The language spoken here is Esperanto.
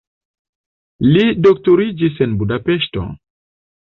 Li doktoriĝis en Budapeŝto.